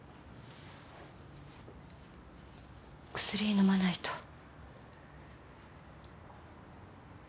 薬飲まないと。